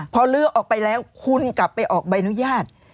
พอลื้อออกไปแล้วคุณกลับไปออกใบอนุญาต